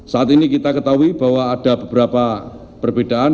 saat ini kita ketahui bahwa ada beberapa perbedaan